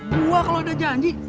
gue kalau udah janji